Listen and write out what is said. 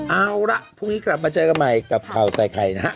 เอาละพรุ่งนี้กลับมาเจอกันใหม่กับข่าวใส่ไข่นะฮะ